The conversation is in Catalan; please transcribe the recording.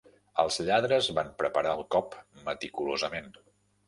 Els lladres van preparar el cop meticulosament.